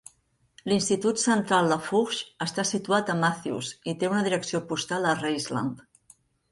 L'Institut Central Lafourche està situat a Mathews, i té una direcció postal a Raceland.